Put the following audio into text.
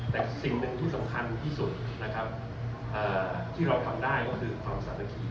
แต่สิ่งหนึ่งที่สำคัญที่สุดที่เราทำได้ก็คือความศาลักษณีย์